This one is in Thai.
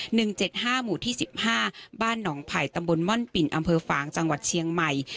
หนึ่งเจ็ดห้าหมู่ที่สิบห้าบ้านหนองไผ่ตำบลม่อนปิ่นอำเภอฝางจังหวัดเชียงใหม่